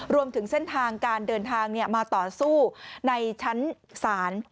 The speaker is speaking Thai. รวมถึงเส้นทางการเดินทางมาต่อสู้ในชั้นศาล